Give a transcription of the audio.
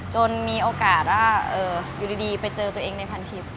มีโอกาสว่าอยู่ดีไปเจอตัวเองในพันทิพย์